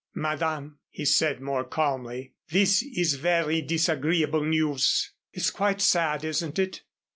"Madame," he said, more calmly, "this is very disagreeable news." "It's quite sad, isn't it?